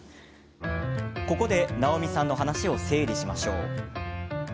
ここで、なおみさんの話を整理しましょう。